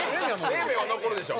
冷麺は残るでしょ。